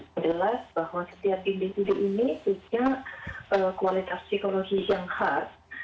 adalah bahwa setiap individu ini punya kualitas psikologi yang khas